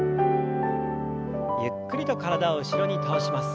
ゆっくりと体を後ろに倒します。